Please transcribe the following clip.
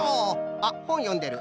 あっほんよんでる。